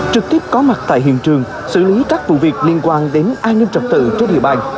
trực tiếp có mặt tại hiện trường xử lý các vụ việc liên quan đến an ninh trật tự trên địa bàn